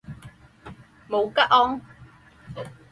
母吉安。